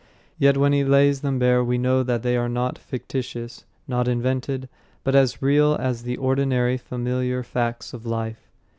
Yet when he lays them bare we know that they are not fictitious, not invented, but as real as the ordinary familiar facts of life.